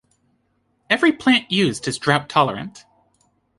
Every plant used is drought-tolerant.